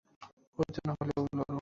ওর জন্য হলেও লড়ো!